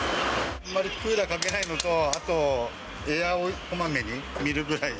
あんまりクーラーかけないのと、あと、エアをこまめに見るぐらい。